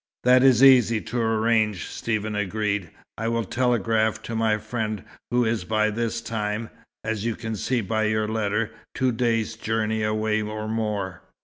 "That is easy to arrange," Stephen agreed. "I will telegraph to my friend, who is by this time as you can see by your letter two days' journey away or more.